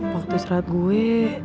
waktu istirahat gue